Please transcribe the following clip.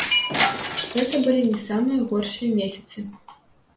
Гэта былі не самыя горшыя месяцы.